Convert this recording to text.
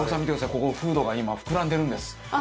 ここフードが今膨らんでるんです。